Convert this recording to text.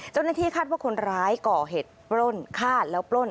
เจ้าหน้าที่คาดว่าคนร้ายก่อเหตุปล้นฆ่าแล้วปล้น